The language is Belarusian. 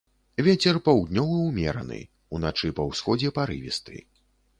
Вецер паўднёвы ўмераны, уначы па ўсходзе парывісты.